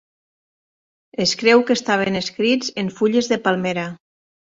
Es creu que estaven escrits en fulles de palmera.